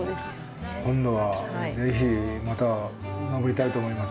今度はぜひまた登りたいと思います。